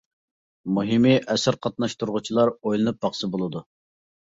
مۇھىمى ئەسەر قاتناشتۇرغۇچىلار ئويلىنىپ باقسا بولىدۇ.